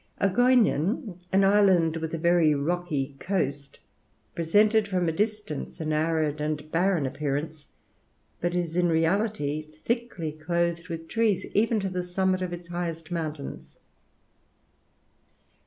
Agoignan, an island with a very rocky coast, presented from a distance an arid and barren appearance, but is in reality thickly clothed with trees even to the summit of its highest mountains.